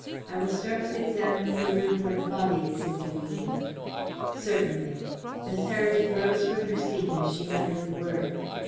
I will start with examining the room where the body is, if you please." "Certainly." Miss Heredith rose from her seat as she uttered the word.